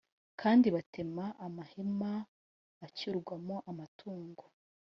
Kandi batema amahema acyurwamo amatungo